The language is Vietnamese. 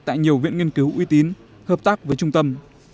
tại nhiều viện nghiên cứu uy tín hợp tác với trung tâm